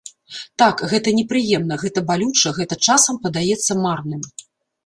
Так, гэта непрыемна, гэта балюча, гэта часам падаецца марным.